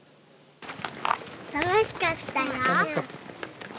楽しかったよ。